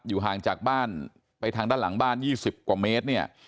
ห่างจากบ้านไปทางด้านหลังบ้าน๒๐กว่าเมตรเนี่ย